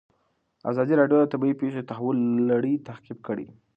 ازادي راډیو د طبیعي پېښې د تحول لړۍ تعقیب کړې.